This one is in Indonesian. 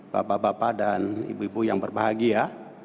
bapak bapak dan ibu ibu yang berbahagia